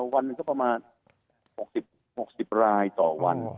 วันก็ประมาณ๖๐รายต่อวัน